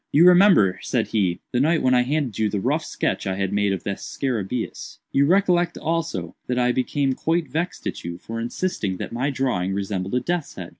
"You remember;" said he, "the night when I handed you the rough sketch I had made of the scarabæus. You recollect also, that I became quite vexed at you for insisting that my drawing resembled a death's head.